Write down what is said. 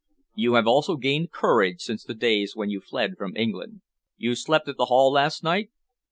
"You have also gained courage since the days when you fled from England. You slept at the Hall last night?"